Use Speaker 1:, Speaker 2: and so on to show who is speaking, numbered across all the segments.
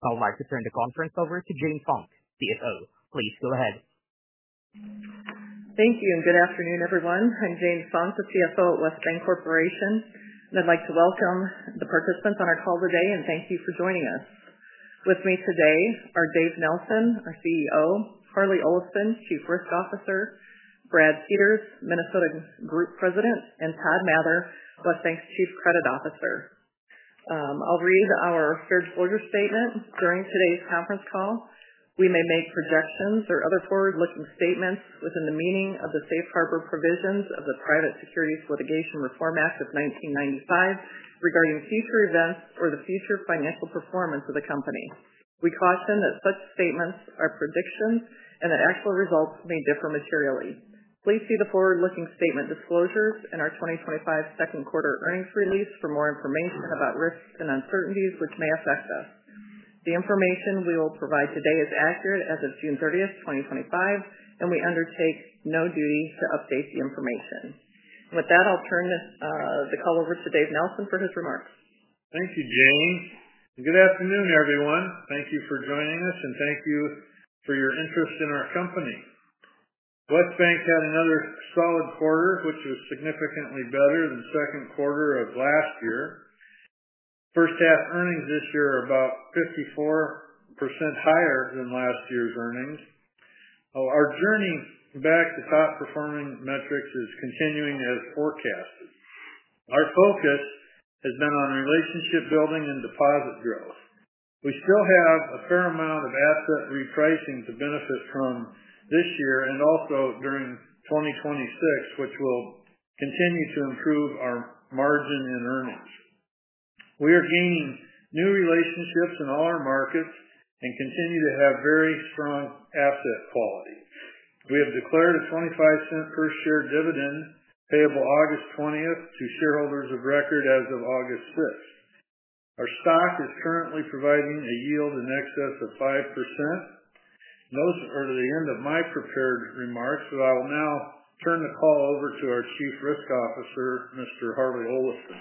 Speaker 1: I would like to turn the conference over to Jane Funk, Chief Financial Officer. Please go ahead.
Speaker 2: Thank you, and good afternoon, everyone. I'm Jane Funk, the CFO at West Bancorporation. I'd like to welcome the participants on our call today, and thank you for joining us. With me today are Dave Nelson, our CEO, Harlee Olafson, Chief Risk Officer, Brad Peters, Minnesota Group President, and Todd Mather, West Bancorporation's Chief Credit Officer. I'll read our third-order statement during today's conference call. We may make projections or other forward-looking statements within the meaning of the Safe Harbor provisions of the Private Securities Litigation Reform Act of 1995 regarding future events or the future financial performance of the company. We caution that such statements are predictions and that actual results may differ materially. Please see the forward-looking statement disclosures and our 2025 second-quarter earnings release for more information about risks and uncertainties which may affect us. The information we will provide today is as accurate as of June 30, 2025, and we undertake no duty to update the information. With that, I'll turn the call over to Dave Nelson for his remarks.
Speaker 3: Thank you, Jane. Good afternoon, everyone. Thank you for joining us, and thank you for your interest in our company. West Bancorporation had another solid quarter, which was significantly better than the second quarter of last year. First half earnings this year are about 54% higher than last year's earnings. Our journey back to top-performing metrics is continuing as forecasted. Our focus has been on relationship building and deposit growth. We still have a fair amount of asset repricing to benefit from this year and also during 2026, which will continue to improve our margin in earnings. We are gaining new relationships in all our markets and continue to have very strong asset quality. We have declared a $0.25 per share dividend payable August 20th to shareholders of record as of August 5th. Our stock is currently providing a yield in excess of 5%. Those are the end of my prepared remarks, so I will now turn the call over to our Chief Risk Officer, Mr. Harlee Olafson.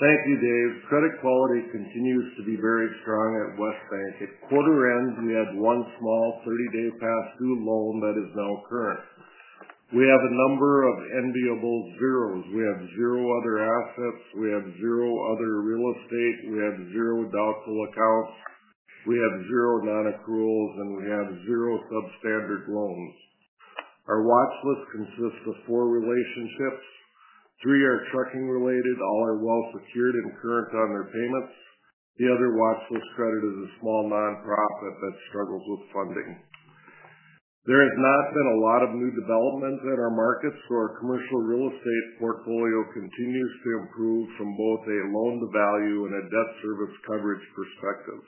Speaker 4: Thank you, Dave. Credit quality continues to be very strong at West Bank. At quarter end, we had one small 30-day pass-through loan that is now current. We have a number of enviable zeros. We have zero other assets. We have zero other real estate. We have zero doubtful accounts. We have zero non-accruals, and we have zero substandard loans. Our watchlist consists of four relationships. Three are trucking-related. All are well-secured and current on their payments. The other watchlist credit is a small nonprofit that struggles with funding. There has not been a lot of new development in our markets, so our commercial real estate portfolio continues to improve from both a loan-to-value and a debt service coverage perspective.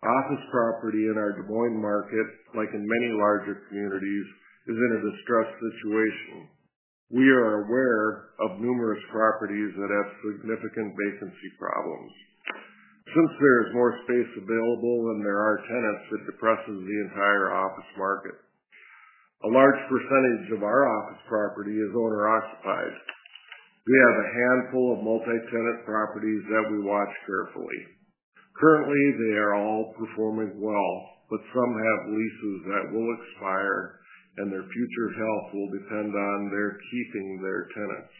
Speaker 4: Office property in our Des Moines market, like in many larger communities, is in a distressed situation. We are aware of numerous properties that have significant vacancy problems. Since there is more space available than there are tenants, it depresses the entire office market. A large percentage of our office property is owner-occupied. We have a handful of multi-tenant properties that we watch carefully. Currently, they are all performing well, but some have leases that will expire, and their future health will depend on their keeping their tenants.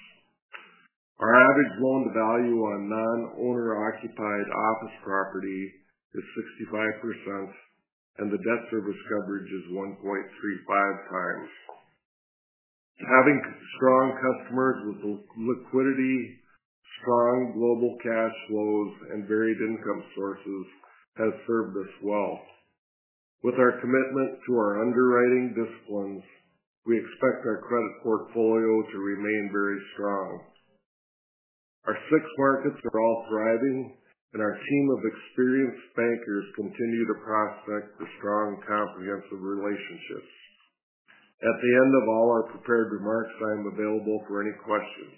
Speaker 4: Our average loan-to-value on non-owner-occupied office property is 65%, and the debt service coverage is 1.35 times. Having strong customer liquidity, strong global cash flows, and varied income sources has served us well. With our commitment to our underwriting disciplines, we expect our credit portfolio to remain very strong. Our six markets are all thriving, and our team of experienced bankers continue to prospect the strong, comprehensive relationships. At the end of all our prepared remarks, I'm available for any questions.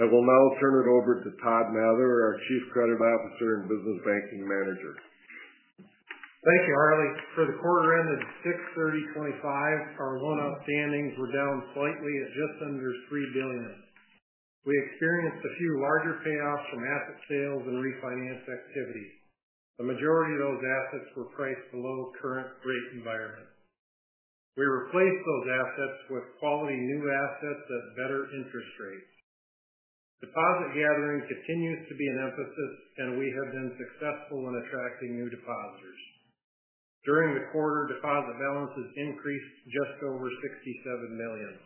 Speaker 4: I will now turn it over to Todd Mather, our Chief Credit Officer and Business Banking Manager.
Speaker 5: Thank you, Harlee. For the quarter ended 6/30/2025, our loan outstandings were down slightly at just under $3 billion. We experienced a few larger payoffs from asset sales and refinancing activities. The majority of those assets were priced below the current rate environment. We replaced those assets with quality new assets at better interest rates. Deposit gathering continues to be an emphasis, and we have been successful in attracting new depositors. During the quarter, deposit balances increased just over $67 million.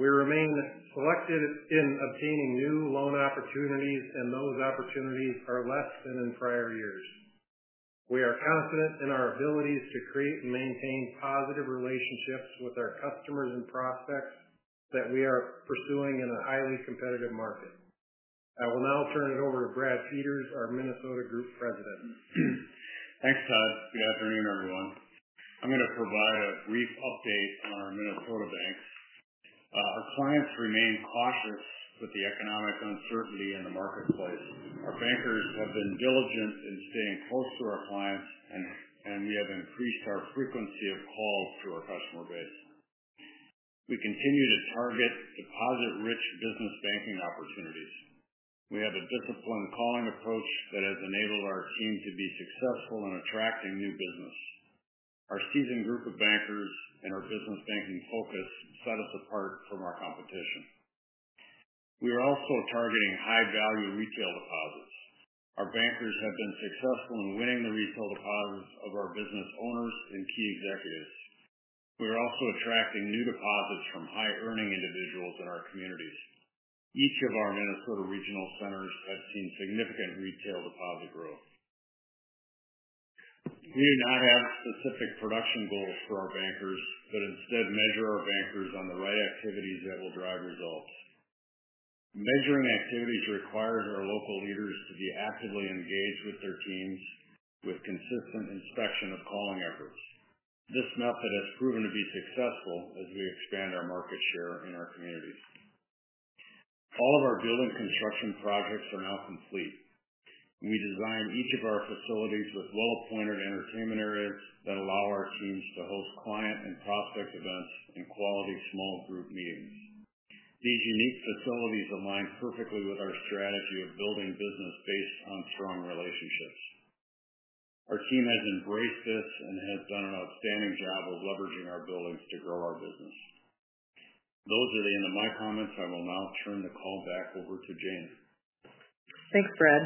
Speaker 5: We remain collected in obtaining new loan opportunities, and those opportunities are less than in prior years. We are confident in our abilities to create and maintain positive relationships with our customers and prospects that we are pursuing in a highly competitive market. I will now turn it over to Brad Peters, our Minnesota Group President.
Speaker 6: Thanks, Todd. Good afternoon, everyone. I'm going to provide a brief update on our Minnesota banks. Our clients remain cautious with the economic uncertainty in the marketplace. Our bankers have been diligent in staying close to our clients, and we have increased our frequency of calls to our customer base. We continue to target deposit-rich business banking opportunities. We have a disciplined calling approach that has enabled our team to be successful in attracting new business. Our seasoned group of bankers and our business banking focus set us apart from our competition. We are also targeting high-value retail deposits. Our bankers have been successful in winning the retail deposits of our business owners and key executives. We are also attracting new deposits from high-earning individuals in our communities. Each of our Minnesota regional centers has seen significant retail deposit growth. We do not have specific production goals for our bankers, but instead measure our bankers on the right activities that will drive results. Measuring activities requires our local leaders to be actively engaged with their teams with consistent inspection of calling efforts. This method has proven to be successful as we expand our market share in our communities. All of our building construction projects are now complete. We design each of our facilities with well-appointed entertainment areas that allow our teams to host client and prospect events and quality small group meetings. These unique facilities align perfectly with our strategy of building business based on strong relationships. Our team has embraced this and has done an outstanding job of leveraging our buildings to grow our business. Those are the end of my comments. I will now turn the call back over to Jane.
Speaker 2: Thanks, Brad.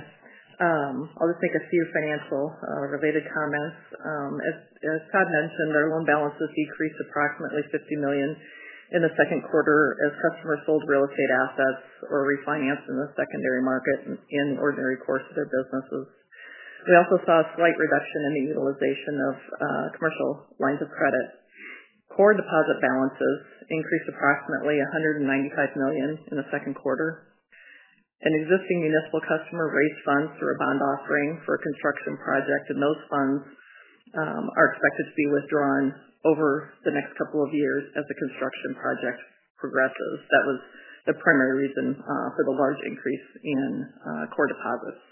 Speaker 2: I'll just make a few financial-related comments. As Todd mentioned, our loan balances decreased approximately $50 million in the second quarter as customers sold real estate assets or refinanced in the secondary market in ordinary course of their businesses. We also saw a slight reduction in the utilization of commercial lines of credit. Core deposit balances increased approximately $195 million in the second quarter. An existing municipal customer raised funds through a bond offering for a construction project, and those funds are expected to be withdrawn over the next couple of years as the construction project progresses. That was the primary reason for the large increase in core deposits.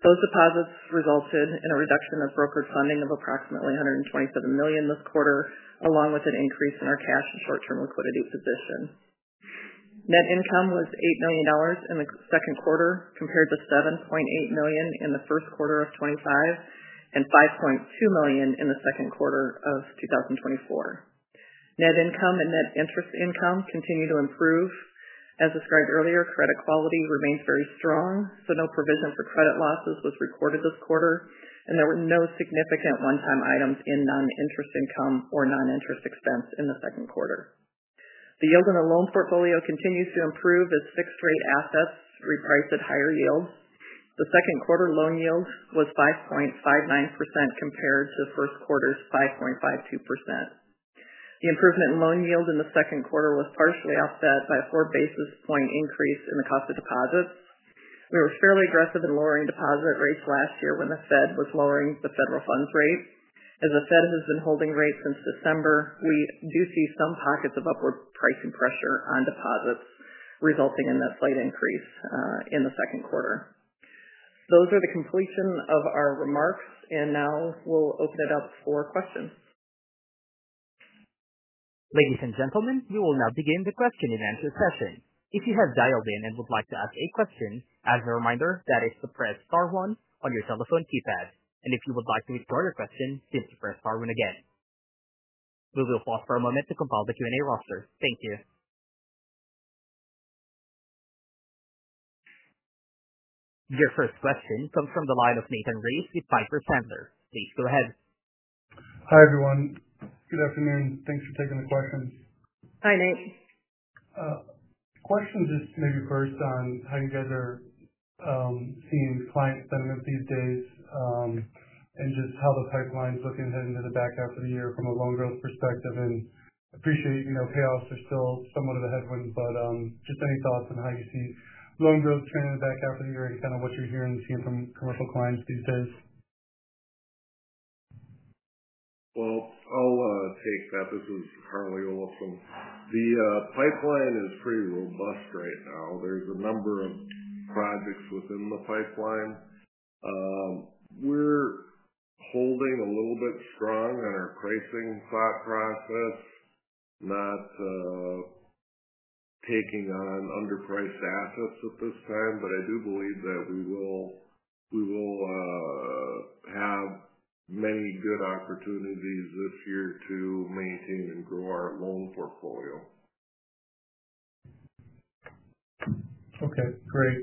Speaker 2: Those deposits resulted in a reduction of brokerage funding of approximately $127 million this quarter, along with an increase in our cash and short-term liquidity position. Net income was $8 million in the second quarter, compared to $7.8 million in the first quarter of 2025, and $5.2 million in the second quarter of 2024. Net income and net interest income continue to improve. As described earlier, credit quality remains very strong, so no provision for credit losses was recorded this quarter, and there were no significant one-time items in non-interest income or non-interest expense in the second quarter. The yield in the loan portfolio continues to improve as fixed-rate assets repriced at higher yield. The second quarter loan yield was 5.59% compared to the first quarter's 5.52%. The improvement in loan yield in the second quarter was partially offset by a four-basis point increase in the cost of deposits. We were fairly aggressive in lowering deposit rates last year when the Fed was lowering the federal funds rates. As the Fed has been holding rates since December, we do see some pockets of upward pricing pressure on deposits, resulting in that slight increase in the second quarter. Those are the completion of our remarks, and now we'll open it up for questions.
Speaker 1: Ladies and gentlemen, you will now begin the question and answer session. If you have dialed in and would like to ask a question, as a reminder, that is to press star one on your telephone keypad. If you would like to withdraw your question, simply press star one again. We will pause for a moment to compile the Q&A roster. Thank you. Your first question comes from the line of Nathan Race with Piper Sandler. Please go ahead.
Speaker 7: Hi, everyone. Good afternoon. Thanks for taking the questions.
Speaker 2: Hi, Nate.
Speaker 7: Question just maybe first on how you guys are seeing client sentiment these days and just how the pipeline is looking ahead into the back half of the year from a loan growth perspective. I appreciate payoffs are still somewhat of a headwind, but just any thoughts on how you see loan growth trending in the back half of the year and kind of what you're hearing and seeing from commercial clients these days?
Speaker 4: This is Harlee Olafson. The pipeline is pretty robust right now. There's a number of projects within the pipeline. We're holding a little bit strong in our pricing thought process, not taking on underpriced assets at this time, but I do believe that we will have many good opportunities this year to maintain and grow our loan portfolio.
Speaker 7: Okay. Great.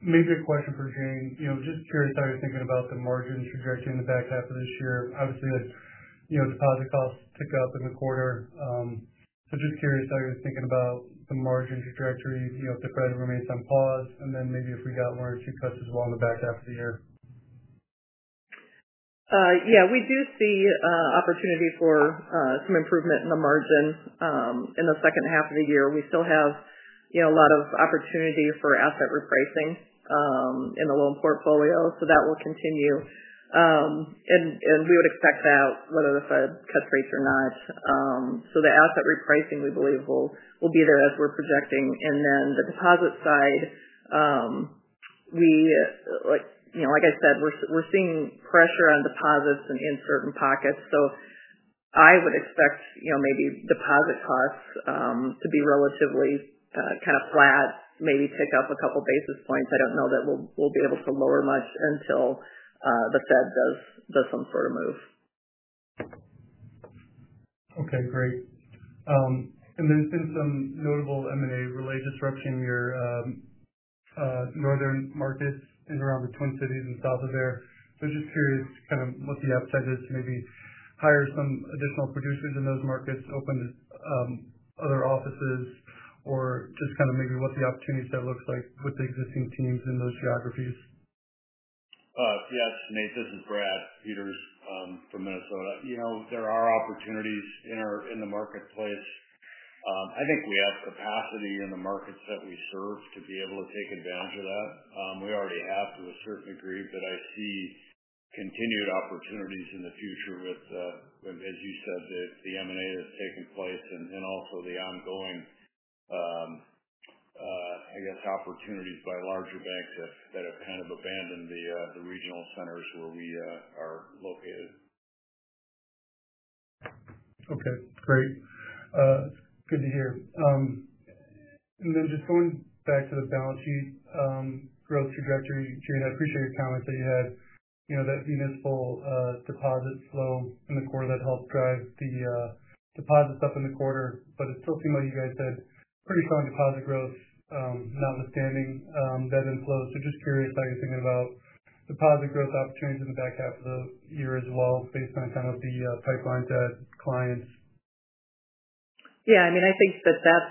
Speaker 7: Maybe a question for Jane. Just curious how you're thinking about the margin trajectory in the back half of this year. Obviously, deposit costs pick up in the quarter. Just curious how you're thinking about the margin trajectory, you know, if the credit remains on pause, and then maybe if we got more interest cuts as well in the back half of the year.
Speaker 2: Yeah. We do see an opportunity for some improvement in the margin in the second half of the year. We still have, you know, a lot of opportunity for asset repricing in the loan portfolio, so that will continue. We would expect that whether it's a cut rate or not. The asset repricing, we believe, will be there as we're projecting. On the deposit side, like I said, we're seeing pressure on deposits in certain pockets. I would expect, you know, maybe deposit costs to be relatively kind of flat, maybe pick up a couple basis points. I don't know that we'll be able to lower much until the Fed does some sort of move.
Speaker 7: Great. There's been some notable M&A-related disruption in your northern markets in and around the Twin Cities and south of there. Just curious what the upside is to maybe hire some additional producers in those markets, open other offices, or what the opportunities look like with the existing teams in those geographies.
Speaker 4: Yes. Nate, this is Brad Peters from Minnesota. There are opportunities in the marketplace. I think we have capacity in the markets that we serve to be able to take advantage of that. We already have to a certain degree, but I see continued opportunities in the future, with, as you said, the M&A that's taking place and also the ongoing opportunities by larger banks that have kind of abandoned the regional centers where we are located.
Speaker 7: Okay. Great, good to hear. Just going back to the balance sheet growth trajectory, Jane, I appreciate your comments that you had, you know, that municipal deposit flow in the quarter that helped drive the deposits up in the quarter, but it still seemed like you guys did pretty strong deposit growth, notwithstanding that inflow. Just curious how you're thinking about deposit growth opportunities in the back half of the year as well based on kind of the pipelines to add clients.
Speaker 2: Yeah. I mean, I think that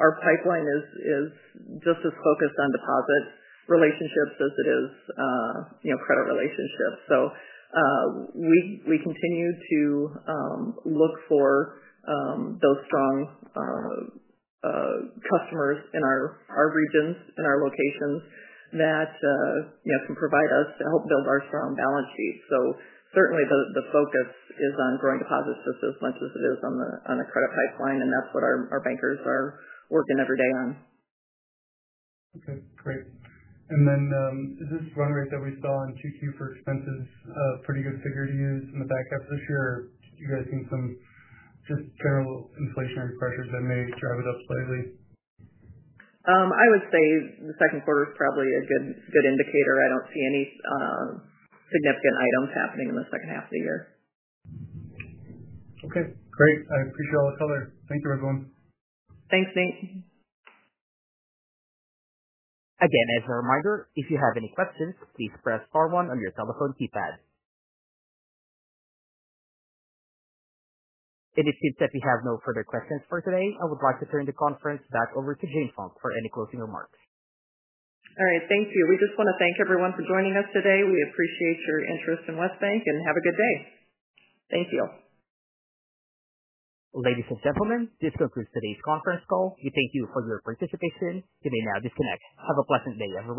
Speaker 2: our pipeline is just as focused on deposit relationships as it is credit relationships. We continue to look for those strong customers in our regions and our locations that can provide us to help build our strong balance sheet. Certainly, the focus is on growing deposits just as much as it is on the credit pipeline, and that's what our bankers are working every day on.
Speaker 7: Okay. Great. Is this run rate that we saw in Q2 for expenses a pretty good figure to use in the back half this year, or are you guys seeing some just general inflationary pressure that may drive it up slightly?
Speaker 2: I would say the second quarter is probably a good indicator. I don't see any significant items happening in the second half of the year.
Speaker 7: Okay. Great. I appreciate all the color. Thank you, everyone.
Speaker 2: Thanks, Nate.
Speaker 1: Again, as a reminder, if you have any questions, please press star one on your telephone keypad. It seems that we have no further questions for today. I would like to turn the conference back over to Jane Funk for any closing remarks.
Speaker 2: All right. Thank you. We just want to thank everyone for joining us today. We appreciate your interest in West Bancorporation and have a good day. Thank you.
Speaker 1: Ladies and gentlemen, this concludes today's conference call. We thank you for your participation. You may now disconnect. Have a pleasant day, everyone.